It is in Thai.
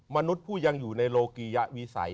มนุษย์ผู้ยังอยู่ในโลกิยะวิสัย